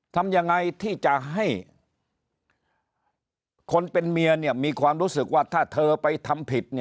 ทำยังไงที่จะให้คนเป็นเมียมีความรู้สึกว่าถ้าเธอไปทำผิด